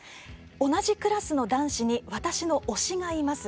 同じクラスの男子に私の推しがいます。